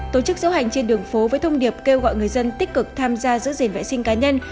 tổ chức diễu hành trên đường phố với thông điệp kêu gọi người dân tích cực tham gia giữ gìn vệ sinh cá nhân